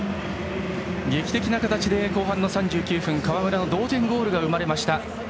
劇的な形で後半の３９分川村の同点ゴールが生まれました。